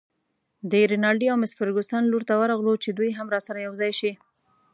د رینالډي او مس فرګوسن لور ته ورغلو چې دوی هم راسره یوځای شي.